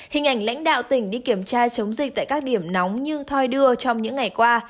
hình ảnh lãnh đạo tỉnh đi kiểm tra chống dịch tại các điểm nóng như thoi đưa trong những ngày qua